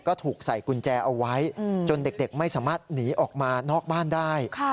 ก็ถูกใส่กุญแจเอาไว้จนเด็กไม่สามารถหนีออกมานอกบ้านได้